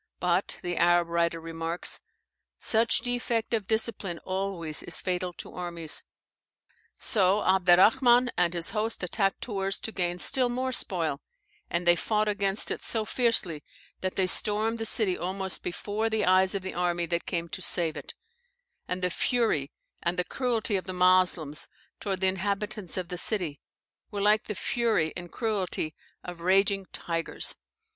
But (the Arab writer remarks) such defect of discipline always is fatal to armies. So Abderrahman and his host attacked Tours to gain still more spoil, and they fought against it so fiercely that they stormed the city almost before the eyes of the army that came to save it; and the fury and the cruelty of the Moslems towards the inhabitants of the city were like the fury and cruelty of raging tigers.